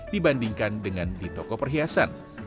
dibandingkan dengan di toko perhiasan